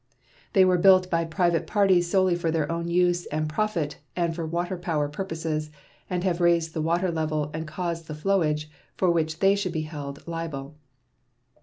They were built by private parties solely for their own use and profit and for water power purposes, and have raised the water level and caused the flowage, for which they should be held liable.